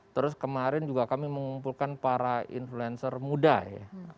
terus kemarin juga kami mengumpulkan para influencer muda ya